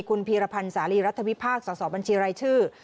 คุณพีรพันธ์สาลีรัฐวิพากษสอบัญชีรายชื่อ